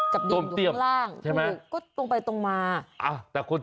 จิ้งจกตาย